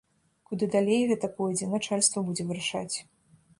Куды далей гэта пойдзе, начальства будзе вырашаць.